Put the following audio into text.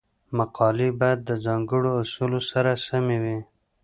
مقالې باید د ځانګړو اصولو سره سمې وي.